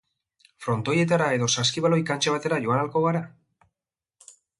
Frontoietara edo saskibaloi kantxa batera joan ahalko gara?